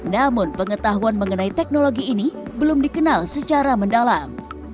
namun pengetahuan mengenai teknologi ini belum dikenal secara mendalam